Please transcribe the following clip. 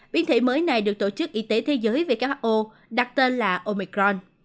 biến thể mới này được tổ chức y tế thế giới who đặt tên là omicron